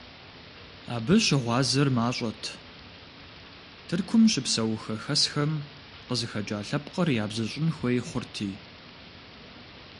Абы щыгъуазэр мащӀэт, Тыркум щыпсэу хэхэсхэм къызыхэкӀа лъэпкъыр ябзыщӀын хуей хъурти.